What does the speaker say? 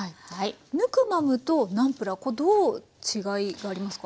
ヌクマムとナムプラーこれどう違いがありますか？